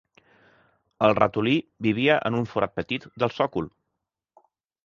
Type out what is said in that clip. El ratolí vivia en un forat petit del sòcol